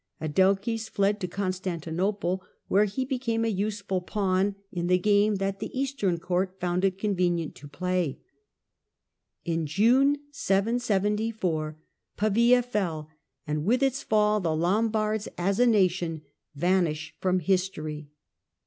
Adelchis fled to Constantinople, where he became a useful pawn in the game that the Eastern Court found it convenient to play. In June, 774, Pavia fell, and with its fall the Lom bards, as a nation, vanish from history.